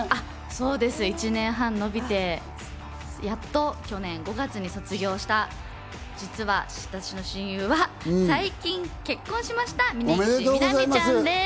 そうです、１年半延びて、やっと去年５月に卒業した、実は私の親友は最近、結婚しました、峯岸みなみちゃんです。